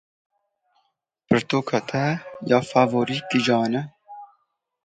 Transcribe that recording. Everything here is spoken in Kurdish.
Pirtûka te ya favorî kîjan e?